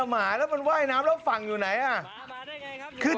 ไม่ใช่หมาทะเลเออ